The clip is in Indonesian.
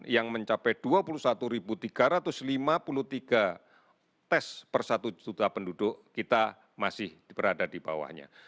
yang mencapai dua puluh satu tiga ratus lima puluh tiga tes per satu juta penduduk kita masih berada di bawahnya